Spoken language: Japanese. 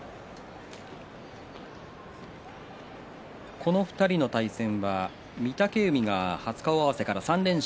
この２人の対戦は御嶽海が初顔合わせから３連勝。